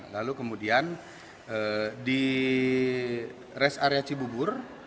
lalu kemudian di res area cibubur